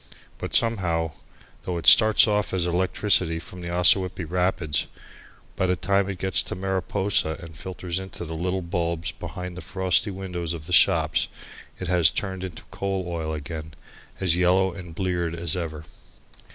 But, somehow, though it starts off as electricity from the Ossawippi rapids, by the time it gets to Mariposa and filters into the little bulbs behind the frosty windows of the shops, it has turned into coal oil again, as yellow and bleared as ever.